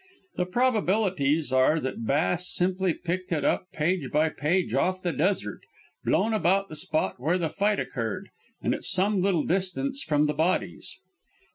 The probabilities are that Bass simply picked it up page by page off the desert, blown about the spot where the fight occurred and at some little distance from the bodies.